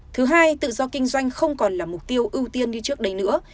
thứ hai tự do kinh doanh không còn là mục tiêu ưu tiên đi trước đấy nữa